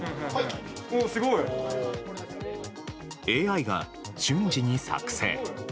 ＡＩが瞬時に作成。